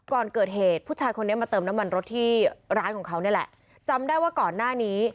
ก่อนเกิดเหตุผู้ชายคนนี้มาเติมน้ำมันรถที่ร้านของเขานี่แหละจำได้ว่าก่อนหน้านี้